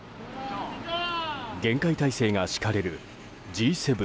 厳戒態勢が敷かれるＧ７